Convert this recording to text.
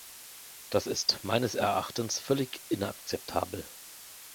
Das ist meines Erachtens völlig inakzeptabel.